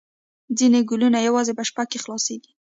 ځینې ګلونه یوازې په شپه کې خلاصیږي